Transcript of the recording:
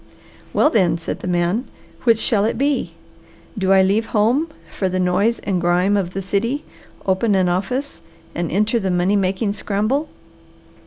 "Well then," said the man, "which shall it be? Do I leave home for the noise and grime of the city, open an office and enter the money making scramble?"